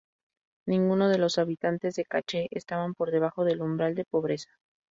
Ninguno de los habitantes de Cache estaban por debajo del umbral de pobreza.